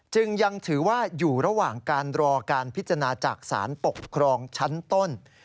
จึงยังถือว่าอยู่ระหว่างการรอการพิจารณาจากสารปกครองชั้นต้น